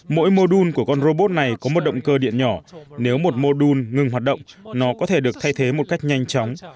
mỗi mô đun của con robot này có một động cơ điện nhỏ nếu một mô đun ngừng hoạt động nó có thể được thay thế một cách nhanh chóng